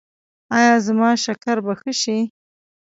ایا زما شکر به ښه شي؟